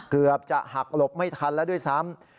เกือบจะหักหลบไม่ทันแล้วด้วยซ้ำ